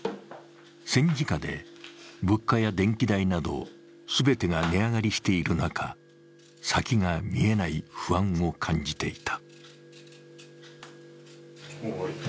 戦時下で物価や電気代など全てが値上がりしている中、先が見えない不安を感じていた。